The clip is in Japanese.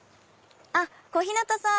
あっ小日向さん！